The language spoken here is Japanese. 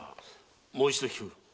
もう一度聞く。